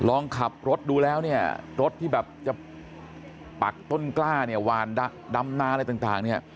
ลองขับรถดูแล้วเนี่ยรถที่แบบจะปักต้นกล้าเนี่ยหวานดำนาอะไรต่างเนี่ย